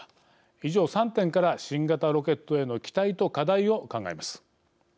以上、３点から新型ロケットへの期待と課題を考えます。